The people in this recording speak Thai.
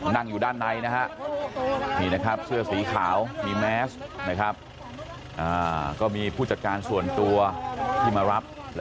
นั่งอยู่ด้านในนะฮะนี่นะครับเสื้อสีขาวมีแมสนะครับ